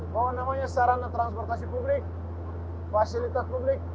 bahwa namanya sarana transportasi publik fasilitas publik